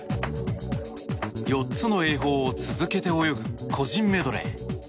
４つの泳法を続けて泳ぐ個人メドレー。